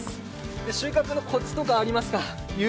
収穫のこつとかありますか。